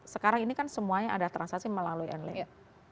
sekarang ini kan semuanya ada transaksi melalui online